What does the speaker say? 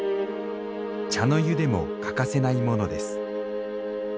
茶の湯でも欠かせないものです。